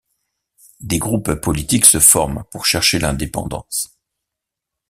Des groupes politiques se forment pour chercher l'indépendance.